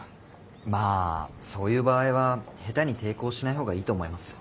まあそういう場合は下手に抵抗しないほうがいいと思いますよ。